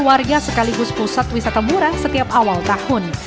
warga sekaligus pusat wisata murah setiap awal tahun